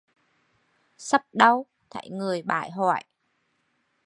Sắp đau, thấy người bải hoải